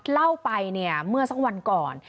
เล่าไปเนี่ยเมื่อสักวันก่อน